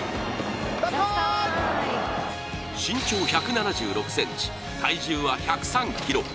身長１７６ｃｍ、体重は１０３ｋｇ。